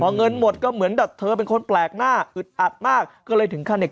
เงินหมดก็เหมือนแบบเธอเป็นคนแปลกหน้าอึดอัดมากก็เลยถึงขั้นเนี่ย